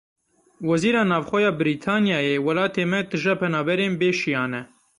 Wezîra Navxwe ya Brîtanyayê; Welatê me tije penaberên bê şiyan e.